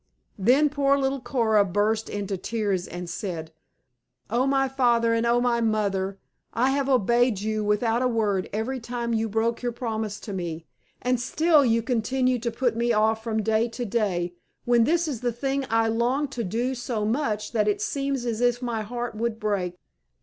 Then poor little Coora burst into tears and said, "O my Father and O my Mother, I have obeyed you without a word every time you broke your promise to me. And still you continue to put me off from day to day, when this is the thing I long to do so much that it seems as if my heart would break.